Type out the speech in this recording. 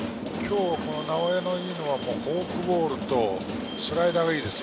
直江が今日いいのはフォークボールとスライダー。